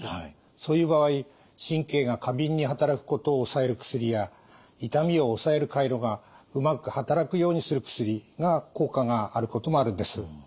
そういう場合神経が過敏に働くことを抑える薬や痛みを抑える回路がうまく働くようにする薬が効果があることもあるんです。